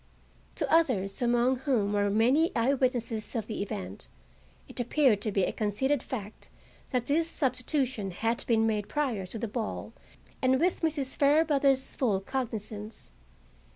To others, among whom were many eyewitnesses of the event, it appeared to be a conceded fact that this substitution had been made prior to the ball and with Mrs. Fairbrother's full cognizance.